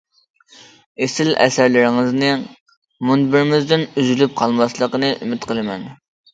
ئېسىل ئەسەرلىرىڭىزنىڭ مۇنبىرىمىزدىن ئۈزۈلۈپ قالماسلىقىنى ئۈمىد قىلىمەن.